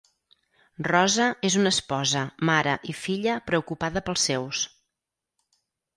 Rosa és una esposa, mare i filla preocupada pels seus.